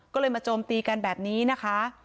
ก็เลยมาโจมตีกันแบบนี้นะคะ